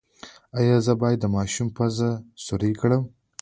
ایا زه باید د ماشوم پوزه سورۍ کړم؟